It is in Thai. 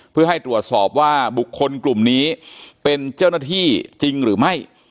เพื่อให้ตรวจสอบว่าบุคคลกลุ่มนี้เป็นเจ้าหน้าที่จริงหรือไม่